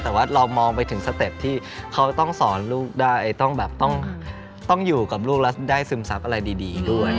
แต่ว่าเรามองไปถึงสเต็ปที่เขาต้องสอนลูกได้ต้องแบบต้องอยู่กับลูกแล้วได้ซึมซับอะไรดีด้วย